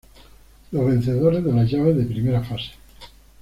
Los vencedores de las llaves de Primera Fase.